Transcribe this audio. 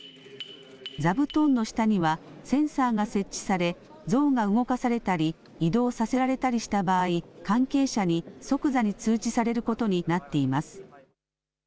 座布団の下にはセンサーが設置され像が動かされたり移動させられたりした場合、関係者に即座に通知されることになっています。